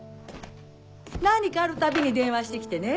何かあるたびに電話して来てね。